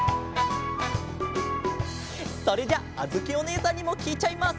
それじゃああづきおねえさんにもきいちゃいます。